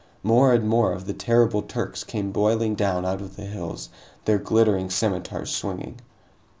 More and more of the terrible Turks came boiling down out of the hills, their glittering scimitars swinging.